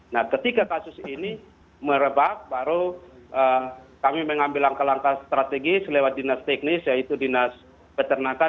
nah ketika kasus ini merebak baru kami mengambil langkah langkah strategis lewat dinas teknis yaitu dinas peternakan